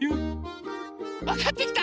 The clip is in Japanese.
わかってきた？